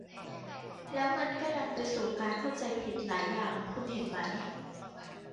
แล้วมันก็นำไปสู่การเข้าใจผิดหลายอย่าง คุณเห็นไหม